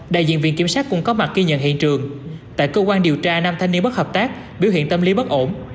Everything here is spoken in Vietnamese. đại diện viện kiểm sát cũng có mặt ghi nhận hiện trường tại cơ quan điều tra năm thanh niên bất hợp tác biểu hiện tâm lý bất ổn